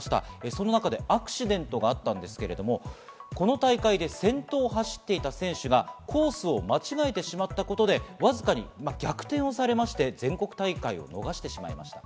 その中でアクシデントがあったんですけれども、この大会で先頭を走っていた選手がコースを間違えてしまったことで、わずかに逆転をされまして全国大会を逃してしまいました。